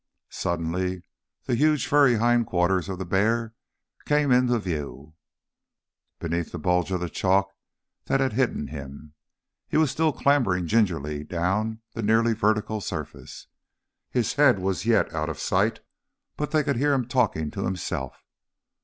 Suddenly the huge furry hind quarters of the bear came into view, beneath the bulge of the chalk that had hidden him. He was still clambering gingerly down the nearly vertical surface. His head was yet out of sight, but they could hear him talking to himself.